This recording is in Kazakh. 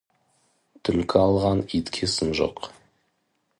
Түлкі алған итке сын жоқ.